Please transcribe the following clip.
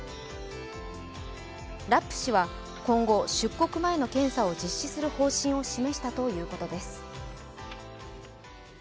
ラップ氏は今後、出国前の検査を実施する方針を示したということです。